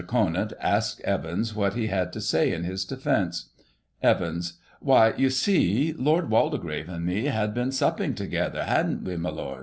Conant asked Evans what he had to say in his defence ? Evans : Why, you see. Lord Waldegrave suid me had been supping together — hadn't we, my Lord